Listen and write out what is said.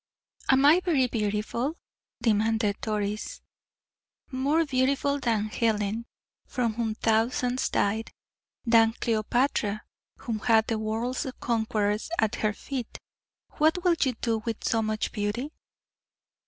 "Am I very beautiful?" demanded Doris. "More beautiful than Helen, for whom thousands died; than Cleopatra, who had the world's conquerors at her feet! What will you do with so much beauty?"